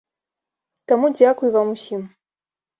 Таму дзякуй вам усім.